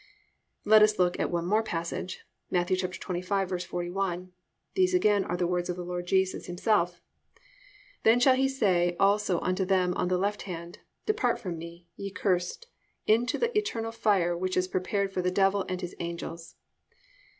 4. Let us look at one more passage, Matt. 25:41 (these again are the words of the Lord Jesus Himself): +"Then shall he say also unto them on the left hand, Depart from me, ye cursed, into the eternal fire which is prepared for the devil and his angels."